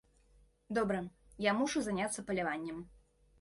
Добра, я мушу заняцца паляваннем.